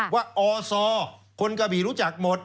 ว่าอศคนกะบี่รู้จักหมด